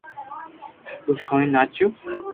خوݾ ھئين ناچيو